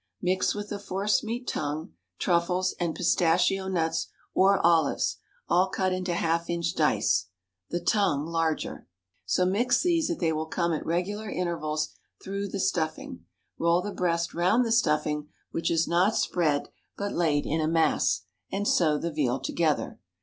Mix with the force meat tongue, truffles, and pistachio nuts or olives, all cut into half inch dice (the tongue larger). So mix these that they will come at regular intervals through the stuffing. Roll the breast round the stuffing, which is not spread, but laid in a mass, and sew the veal together.